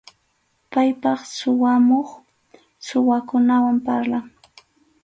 Paypaq suwamuq, suwakunawan parlan.